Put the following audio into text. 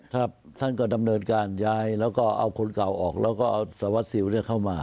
ท่านก็ดำเนินการย้ายแล้วก็เอาคนเก่าออกแล้วก็เอาสารวัสสิวเข้ามา